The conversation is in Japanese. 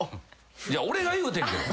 いや俺が言うてんけど。